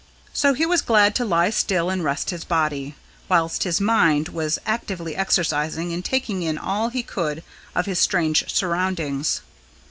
So he was glad to lie still and rest his body, whilst his mind was actively exercised in taking in all he could of his strange surroundings.